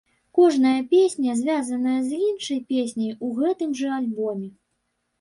Кожная песня звязаная з іншай песняй у гэтым жа альбоме.